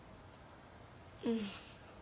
うん。